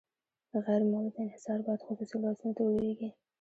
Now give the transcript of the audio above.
غیر مولد انحصار باید خصوصي لاسونو ته ولویږي.